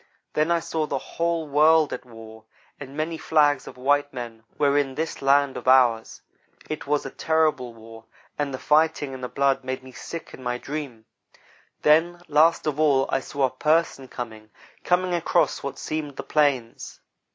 Then I saw the whole world at war, and many flags of white men were in this land of ours. It was a terrible war, and the fighting and the blood made me sick in my dream. Then, last of all, I saw a 'person' coming coming across what seemed the plains.